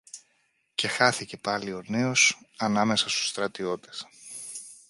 Και χάθηκε πάλι ο νέος ανάμεσα στους στρατιώτες.